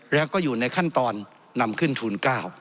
แล้วก็อยู่ในขั้นตอนนำขึ้นทูล๙